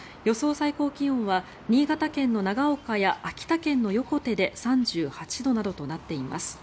最高気温は新潟県の長岡や秋田県の横手で３８度などとなっています。